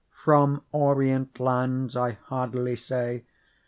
From orient lands, I hardily say.